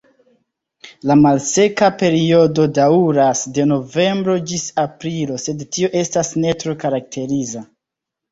La malseka periodo daŭras de novembro ĝis aprilo, sed tio estas ne tro karakteriza.